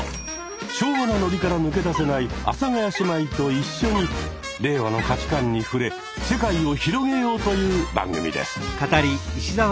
昭和なノリから抜け出せない阿佐ヶ谷姉妹と一緒に令和の価値観に触れ世界を広げようという番組です。